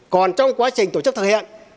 còn trong quá trình tổ chức thực hiện